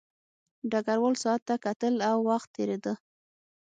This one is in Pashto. ډګروال ساعت ته کتل او وخت تېرېده